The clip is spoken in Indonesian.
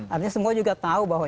artinya semua juga tahu bahwa